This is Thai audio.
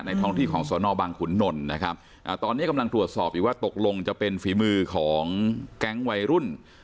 ท้องที่ของสนบังขุนนลนะครับตอนนี้กำลังตรวจสอบอยู่ว่าตกลงจะเป็นฝีมือของแก๊งวัยรุ่น